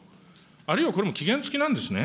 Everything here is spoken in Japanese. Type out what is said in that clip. あるいはこれも期限付きなんですね。